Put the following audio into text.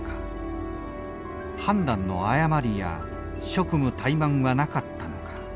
判断の誤りや職務怠慢はなかったのか。